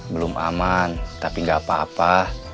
belum aman tapi nggak apa apa